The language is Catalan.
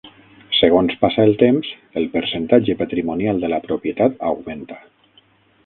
Segons passa el temps, el percentatge patrimonial de la propietat augmenta.